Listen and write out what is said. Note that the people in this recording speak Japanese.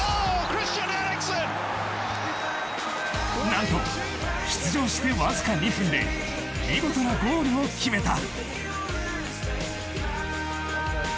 何と出場して、わずか２分で見事なゴールを決めた。